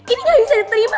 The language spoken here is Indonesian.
ini gak bisa diterima